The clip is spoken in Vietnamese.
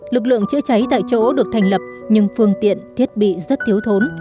lực lượng chữa cháy tại chỗ được thành lập nhưng phương tiện thiết bị rất thiếu thốn